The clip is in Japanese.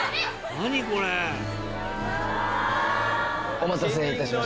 お待たせいたしました。